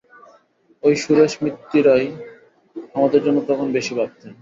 ঐ সুরেশ মিত্তিরই আমাদের জন্য তখন বেশী ভাবতেন।